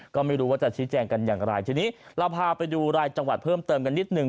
ก็ไม่รู้ว่าจะชี้แจงกันอย่างไรทีนี้เราพาไปดูรายจังหวัดเพิ่มเติมกันนิดนึง